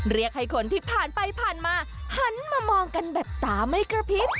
เรียกให้คนที่ผ่านไปผ่านมาหันมามองกันแบบตาไม่กระพริบ